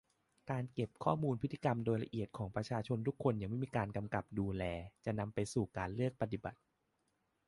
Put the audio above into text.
การเก็บข้อมูลพฤติกรรมโดยละเอียดของประชาชนทุกคนอย่างไม่มีการกำกับดูแล จะนำไปสู่การเลือกปฏิบัติ